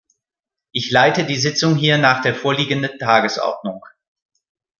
Ich leite die Sitzung hier nach der vorliegenden Tagesordnung.